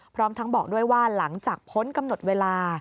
พร้อมทั้งบอกด้วยว่าหลังจากพ้นกำหนดเวลา